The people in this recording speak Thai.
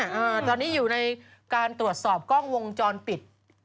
อ่าตอนนี้อยู่ในการตรวจสอบกล้องวงจรปิด